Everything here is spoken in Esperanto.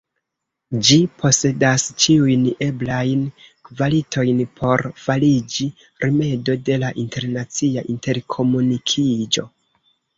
Ĝi posedas ĉiujn eblajn kvalitojn por fariĝi rimedo de la internacia interkomunikiĝo.